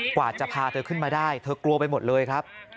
กว่าจะพาเธอขึ้นมาได้เธอกลัวไปหมดเลยครับ